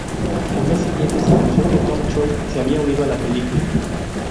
Al mes siguiente, se anunció que Tom Choi se había unido a la película.